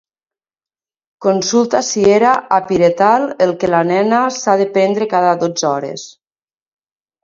Consulta si era Apiretal el que la nena s'ha de prendre cada dotze hores.